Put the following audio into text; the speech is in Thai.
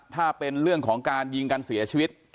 ถ้าเป็นเรื่องของการยิงกันเสียชีวิต